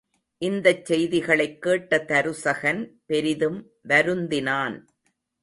இந்தச் செய்திகளைக் கேட்ட தருசகன் பெரிதும் வருந்தினான்.